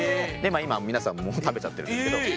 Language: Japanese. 今皆さんもう食べちゃってるんですけど。